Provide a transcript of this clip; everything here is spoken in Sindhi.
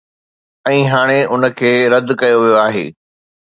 ۽ هاڻي ان کي رد ڪيو ويو آهي.